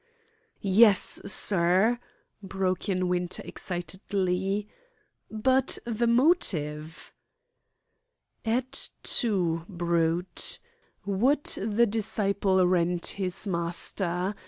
"Yes, sir!" broke in Winter excitedly. "But the motive!" "Et tu, Brute! Would the disciple rend his master?